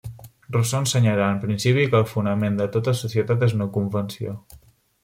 Rousseau ensenyarà en principi que el fonament de tota societat és una convenció.